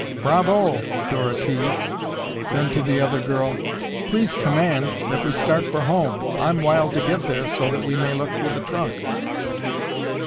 "Bravo!" Dora teased. Then, to the other girl, "Please command that we start for home. I'm wild to get there so that we may look through the trunk."